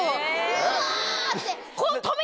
うわって。